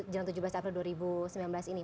jalan tujuh belas april dua ribu sembilan belas ini